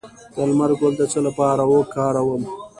د لمر ګل د څه لپاره وکاروم؟